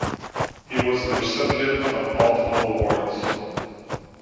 He was the recipient of multiple awards.